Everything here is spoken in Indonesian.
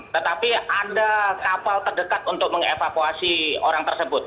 tetapi ada kapal terdekat untuk mengevakuasi orang tersebut